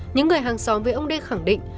những người hàng xóm với ông d khẳng định